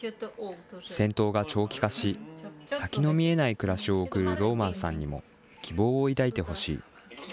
戦闘が長期化し、先の見えない暮らしを送るローマンさんにも希望を抱いてほしい。